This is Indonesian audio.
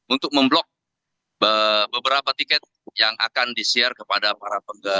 untuk memblok beberapa tiket yang akan di share kepada para pengguna